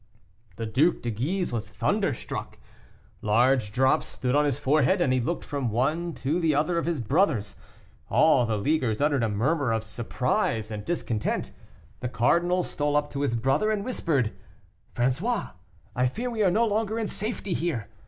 The Duc de Guise was thunderstruck. Large drops stood on his forehead, and he looked from one to the other of his brothers. All the leaguers uttered a murmur of surprise and discontent. The cardinal stole up to his brother, and whispered: "François; I fear we are no longer in safety here.